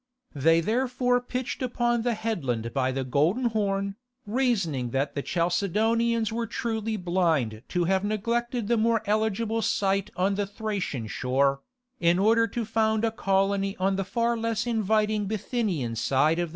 They therefore pitched upon the headland by the Golden Horn, reasoning that the Chalcedonians were truly blind to have neglected the more eligible site on the Thracian shore, in order to found a colony on the far less inviting Bithynian side of the strait.